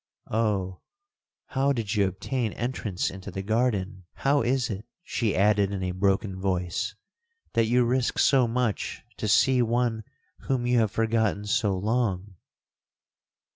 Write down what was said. Oh! how did you obtain entrance into the garden?—How is it,' she added in a broken voice, 'that you risk so much to see one whom you have forgotten so long?'